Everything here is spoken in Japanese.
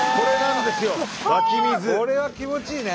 これは気持ちいいね。